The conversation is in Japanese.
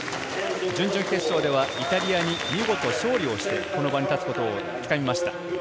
準々決勝ではイタリアに見事勝利をして、この場に立つことをつかみました。